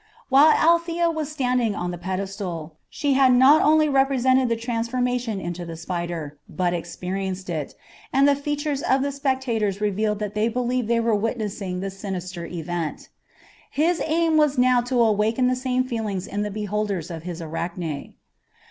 While Althea was standing on the pedestal, she had not only represented the transformation into the spider, but experienced it, and the features of the spectators revealed that they believed they were witnessing the sinister event. His aim was now to awaken the same feeling in the beholders of his Arachne.